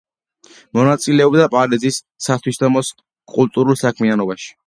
მონაწილეობდა პარიზის სათვისტომოს კულტურულ საქმიანობაში.